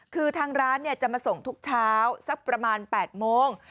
คือทางร้านจะมาส่งทุกเช้าสักประมาณ๘โมง